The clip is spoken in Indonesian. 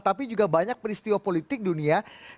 tapi juga banyak peristiwa politik dunia